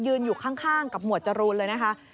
อยู่ข้างกับหมวดจรูนเลยนะคะ